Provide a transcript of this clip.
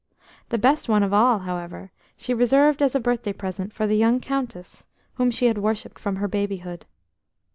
The best one of all, however, she reserved as a birthday present for the young Countess, whom she had worshipped from her babyhood.